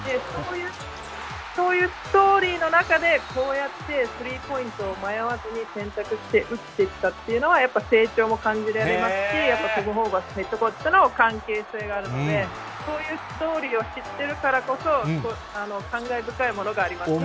そういうストーリーの中で、こうやってスリーポイントを迷わずに選択して打ってったっていうのは、やっぱり成長も感じられますし、やっぱトム・ホーバスヘッドコーチとの関係性があるので、そういうストーリーを知ってるからこそ、感慨深いものがありますね。